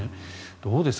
どうですか？